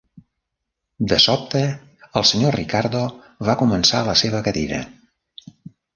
De sobte, el Sr. Ricardo va començar a la seva cadira.